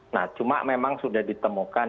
nah cuma memang sudah ditemukan